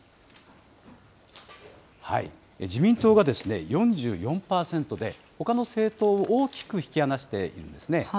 自民党が４４％で、ほかの政党を大きく引き離しているんですね。